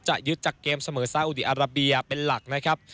ยึดจากเกมเสมอซาอุดีอาราเบียเป็นหลักนะครับ